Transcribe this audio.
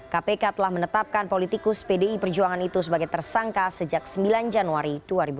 kpk telah menetapkan politikus pdi perjuangan itu sebagai tersangka sejak sembilan januari dua ribu delapan belas